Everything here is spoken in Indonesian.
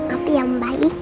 apa yang baik